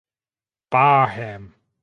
Barham.